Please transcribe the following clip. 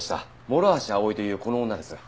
諸橋葵というこの女です。